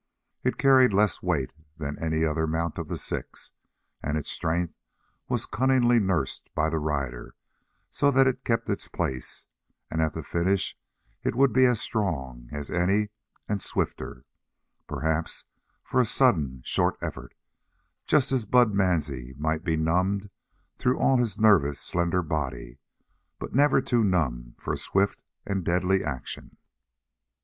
It carried less weight than any other mount of the six, and its strength was cunningly nursed by the rider so that it kept its place, and at the finish it would be as strong as any and swifter, perhaps, for a sudden, short effort, just as Bud Mansie might be numbed through all his nervous, slender body, but never too numb for swift and deadly action.